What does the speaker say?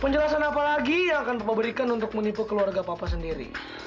penjelasan apa lagi yang akan bapak berikan untuk menipu keluarga papa sendiri